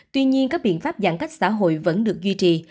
tuy nhiên các biện pháp giãn cách xã hội vẫn được duy trì